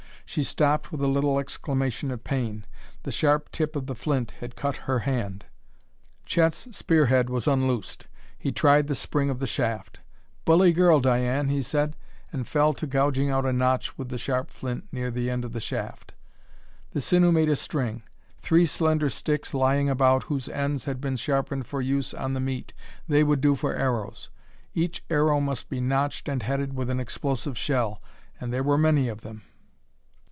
She stopped with a little exclamation of pain; the sharp tip of the flint had cut her hand. Chet's spearhead was unloosed. He tried the spring of the shaft. "Bully girl, Diane!" he said, and fell to gouging out a notch with the sharp flint near the end of the shaft. The sinew made a string. Three slender sticks lying about whose ends had been sharpened for use on the meat: they would do for arrows. Each arrow must be notched and headed with an explosive shell, and there were many of them.